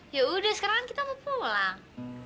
yaudah sekarang kita mau pulang